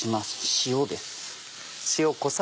塩です。